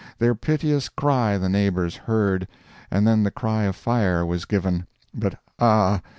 Their piteous cry the neighbors heard, And then the cry of fire was given; But, ah!